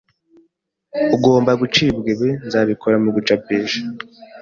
ugomba gucibwa ibi nzabikora mugucapisha